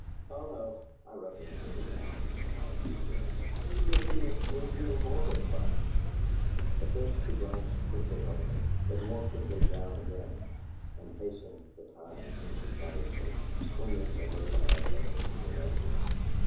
"Ah no; I recognize it now," replied Eugene. "He appeals to me even more than Grieg." At this she glanced quickly up at him, but more quickly down again, and hastened the time emphatically, swinging the little air into the major.